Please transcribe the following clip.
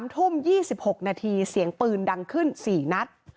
๓ทุ่ม๒๖นาทีเสียงปืนดังขึ้น๔นัด